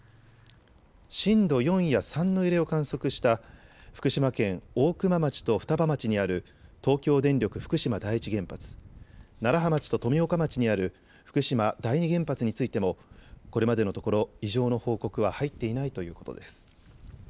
震度４や３の揺れを観測した福島県大熊町と双葉町にある東京電力福島第一原発、楢葉町と富岡町にある福島第二原発についてもこれまでのところ異常の報告は入っていないということです。